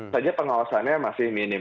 saja pengawasannya masih minim